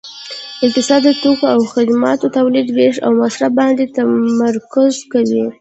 اقتصاد د توکو او خدماتو تولید ویش او مصرف باندې تمرکز کوي